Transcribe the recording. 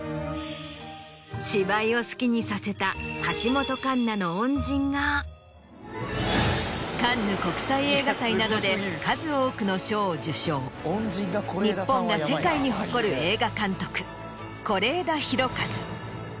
芝居を好きにさせた橋本環奈の恩人がカンヌ国際映画祭などで数多くの賞を受賞日本が世界に誇る映画監督是枝裕和。